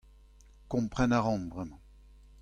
Kompren a ran bremañ.